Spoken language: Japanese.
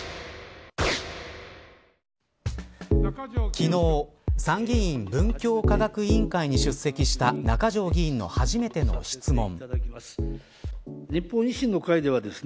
昨日参議院文教科学委員会に出席した中条議員の初めての質問。